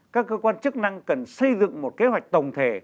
các cơ quan chức năng cần xây dựng một kế hoạch tổng thể